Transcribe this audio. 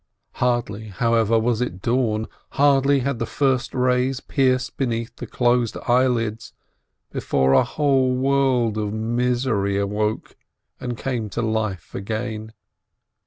Hardly, however, was it dawn, hardly had the first rays pierced beneath the closed eyelids, before a whole world of misery awoke and came to life again.